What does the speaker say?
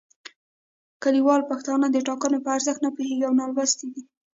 کلیوال پښتانه د ټاکنو په ارزښت نه پوهیږي او نالوستي دي